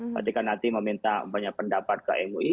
berarti kan nanti meminta banyak pendapat ke mui